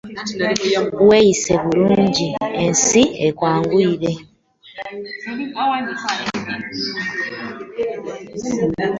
Weeyise bulungi ensi ekugondere.